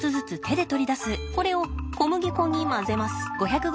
これを小麦粉に混ぜます。